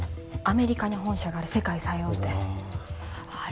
アメリカに本社がある世界最大手うわあ